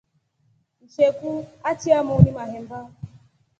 Msheku achya muuni mahemba.